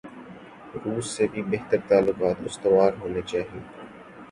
روس سے بھی بہتر تعلقات استوار ہونے چائیں۔